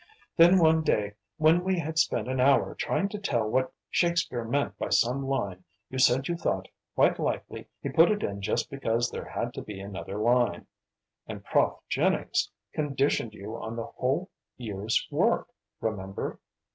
"Then one day when we had spent an hour trying to tell what Shakespeare meant by some line you said you thought quite likely he put it in just because there had to be another line. And "Prof" Jennings conditioned you on the whole year's work remember?"